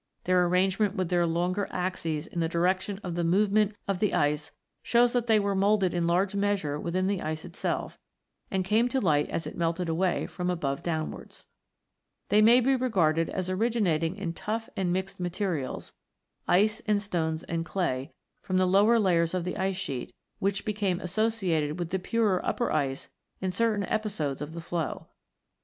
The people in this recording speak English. Their arrange ment with their longer axes in the direction of the movement of the ice shows that they were moulded in large measure within the ice itself, and came to light as it melted away from above downwards. They may be regarded as originating in tough and mixed materials, ice and stones and clay, from the lower layers of the ice sheet, which became associated with the purer upper ice in certain episodes of the flow.